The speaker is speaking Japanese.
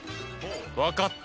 分かった。